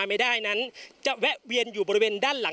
พร้อมด้วยผลตำรวจเอกนรัฐสวิตนันอธิบดีกรมราชทัน